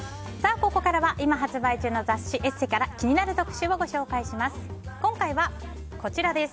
ここからは今発売中の雑誌「ＥＳＳＥ」から気になる特集をご紹介します。